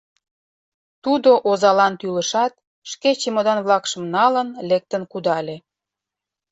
Тудо озалан тӱлышат, шке чемодан-влакшым налын, лектын кудале.